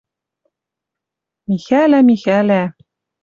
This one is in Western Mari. — Михӓлӓ, Михӓлӓ...